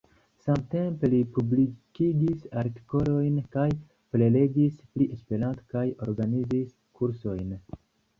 Samtempe li publikigis artikolojn kaj prelegis pri Esperanto kaj organizis kursojn.